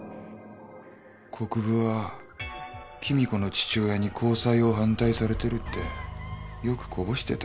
国府は貴美子の父親に交際を反対されてるってよくこぼしてた。